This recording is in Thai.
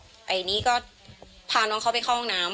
อันนี้ก็พาน้องเขาไปเข้าห้องน้ำ